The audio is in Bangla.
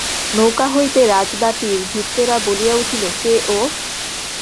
নৌকা হইতে রাজবাটীর ভৃত্যেরা বলিয়া উঠিল, কে ও?